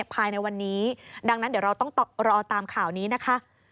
ภายในวันนี้ดังนั้นเดี๋ยวเราต้องรอตามข่าวนี้นะคะ